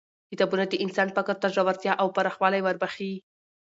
کتابونه د انسان فکر ته ژورتیا او پراخوالی وربخښي